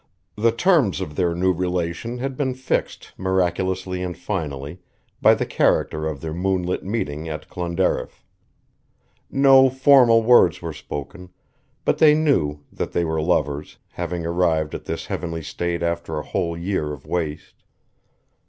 The terms of their new relation had been fixed miraculously and finally by the character of their moonlit meeting at Clonderriff. No formal words were spoken, but they knew that they were lovers, having arrived at this heavenly state after a whole year of waste.